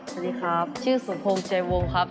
สวัสดีครับชื่อสมพงษ์ใจวงครับ